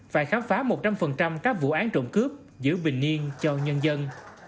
và khám phá một trăm linh các vụ án trộm cướp giữ bình yên cho nhân dân